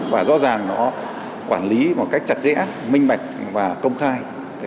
và rõ ràng nó quản lý một cách chặt rẽ minh mạch và công khai